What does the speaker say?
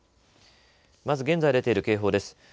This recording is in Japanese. まず現在出ている警報です。